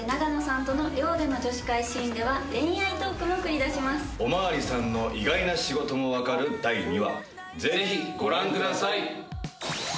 さらに私と戸田さん、そして永野さんとの寮での女子会シーンでは恋愛トークもおまわりさんの意外な仕事も分かる第２話、ぜひご覧ください。